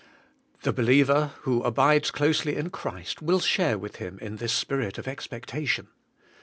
The believer who abides closely in Christ will share with Him in this spirit of expectation.